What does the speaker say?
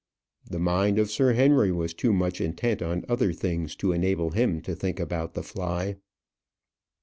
The mind of Sir Henry was too much intent on other things to enable him to think about the fly.